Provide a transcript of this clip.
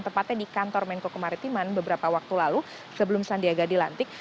tepatnya di kantor menko kemaritiman beberapa waktu lalu sebelum sandiaga dilantik